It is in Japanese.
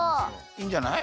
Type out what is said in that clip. いいんじゃない？